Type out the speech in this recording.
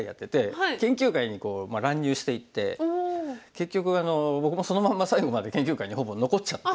結局あの僕もそのまんま最後まで研究会にほぼ残っちゃって。